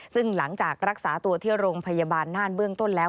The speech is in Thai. ซึ่งหลังจากรักษาตัวที่โรงพยาบาลน่านเบื้องต้นแล้ว